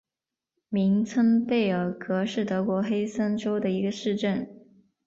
明岑贝尔格是德国黑森州的一个市镇。